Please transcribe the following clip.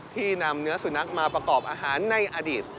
ที่นำเนื้อสุนัขมาประกอบอาหารในอดีต